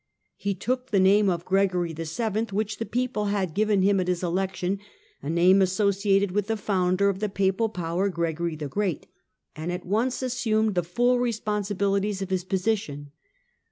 He took the name of Gregory VII., which the people had given him at his election, a name associated with the founder of the papal power, Gregory the Great, and at once assumed the full responsibilities of his position.